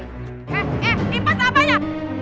eh eh impas apa ya